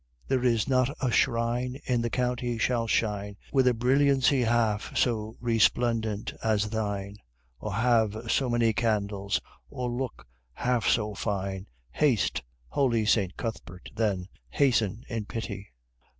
There is not a shrine In the county shall shine With a brilliancy half so resplendent as thine, Or have so many candles, or look half so fine! Haste, holy St. Cuthbert, then, hasten in pity!